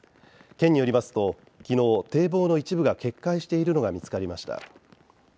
県によりますと昨日防の一部が決壊しているのが見つかりました。